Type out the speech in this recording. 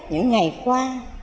những ngày qua